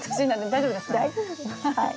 大丈夫ですはい。